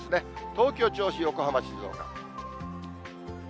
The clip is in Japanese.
東京、銚子、横浜、静岡。